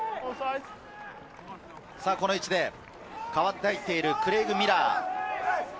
代わって入っているクレイグ・ミラー。